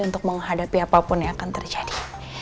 untuk menghadapi apapun yang akan terjadi